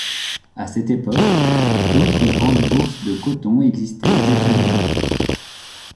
À cette époque, d'autres grandes bourses de coton existaient aux États-Unis.